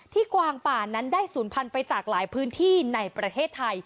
กวางป่านั้นได้ศูนย์พันธุ์ไปจากหลายพื้นที่ในประเทศไทย